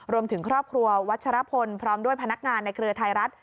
รวมถึงครอบครัววัชรพลพร้อมด้วยพนักงานในเครือไทยรัฐ